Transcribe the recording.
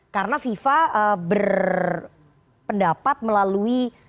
karena fifa berpendapat melalui